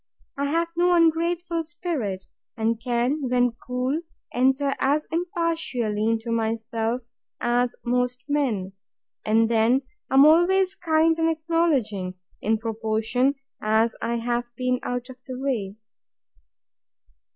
I have no ungrateful spirit, and can, when cool, enter as impartially into myself as most men; and then I am always kind and acknowledging, in proportion as I have been out of the way.